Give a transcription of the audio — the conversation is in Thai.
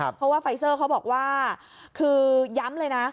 เพราะว่าไฟเซอร์เขาบอกว่าคือย้ำเลยนะ